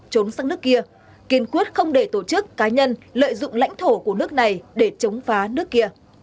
trốn sang nước kia kiên quyết không để tổ chức cá nhân lợi dụng lãnh thổ của nước này để chống phá nước kia